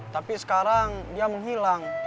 tapi sekarang dia menghilang